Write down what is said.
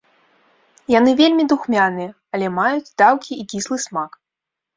Яны вельмі духмяныя, але маюць даўкі і кіслы смак.